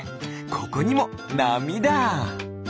ここにもなみだ！